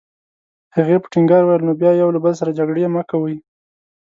هغې په ټینګار وویل: نو بیا یو له بل سره جګړې مه کوئ.